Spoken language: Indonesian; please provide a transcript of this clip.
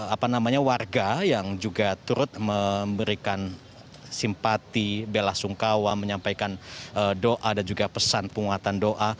apa namanya warga yang juga turut memberikan simpati bela sungkawa menyampaikan doa dan juga pesan penguatan doa